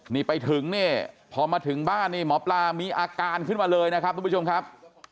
นี่ไปถึงเนี่ยพอมาถึงบ้านนี่หมอปลามีอาการขึ้นมาเลยนะครับทุกผู้ชมครับ